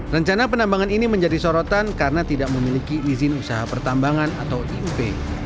rencana penambangan ini menjadi sorotan karena tidak memiliki izin usaha pertambangan atau iup